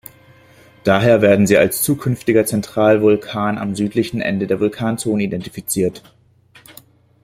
Daher werden sie als zukünftiger Zentralvulkan am südlichen Ende der Vulkanzone identifiziert.